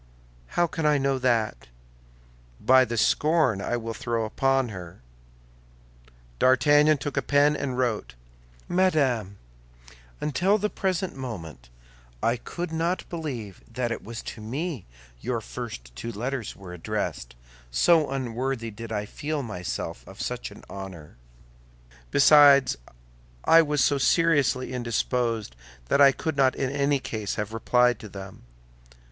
"How can I know that?" "By the scorn I will throw upon her." D'Artagnan took a pen and wrote: MADAME, Until the present moment I could not believe that it was to me your first two letters were addressed, so unworthy did I feel myself of such an honor; besides, I was so seriously indisposed that I could not in any case have replied to them.